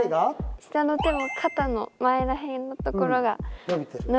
下の手も肩の前ら辺のところが伸びてます。